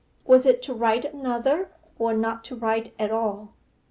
Was it to write another, or not to write at all?